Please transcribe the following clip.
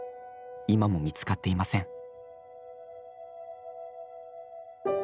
今も見つかっていません。